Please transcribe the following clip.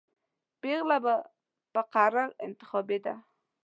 پېغله به په قرعه انتخابېده.